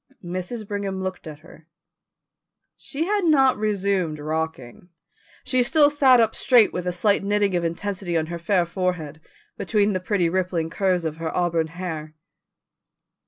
Mrs. Brigham looked at her. She had not resumed rocking. She still sat up straight with a slight knitting of intensity on her fair forehead, between the pretty rippling curves of her auburn hair.